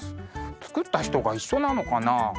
つくった人が一緒なのかなあ？